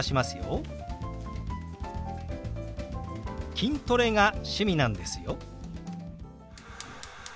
「筋トレが趣味なんですよ」。